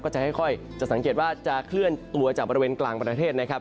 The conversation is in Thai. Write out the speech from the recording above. จะค่อยจะสังเกตว่าจะเคลื่อนตัวจากบริเวณกลางประเทศนะครับ